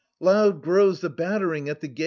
— loud grows the battering at the gates